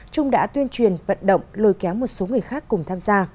trung đã tuyên truyền vận động lôi kéo một số người khác cùng tham gia